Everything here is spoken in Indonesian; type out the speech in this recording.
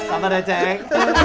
apa deh cek